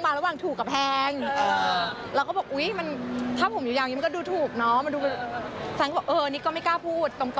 แฟนก็บอกเออนี่ก็ไม่กล้าพูดตรง